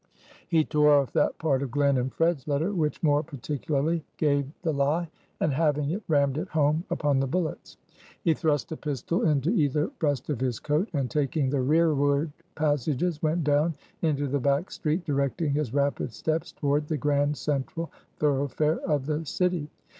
He tore off that part of Glen and Fred's letter, which more particularly gave the lie; and halving it, rammed it home upon the bullets. He thrust a pistol into either breast of his coat; and taking the rearward passages, went down into the back street; directing his rapid steps toward the grand central thoroughfare of the city.